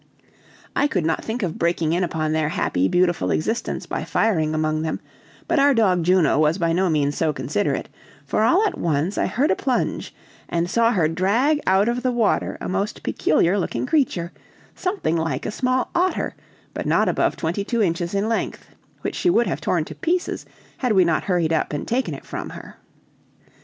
I could not think of breaking in upon their happy, beautiful existence by firing among them, but our dog Juno was by no means so considerate; for all at once I heard a plunge, and saw her drag out of the water a most peculiar looking creature, something like a small otter, but not above twenty two inches in length, which she would have torn to pieces had we not hurried up and taken it from her.